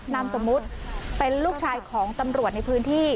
นามสมมุติเป็นลูกชายของตำรวจในพื้นที่